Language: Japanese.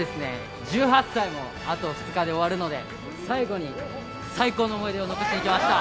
１８歳もあと２日で終わるので最後に最高の思い出を残しに来ました。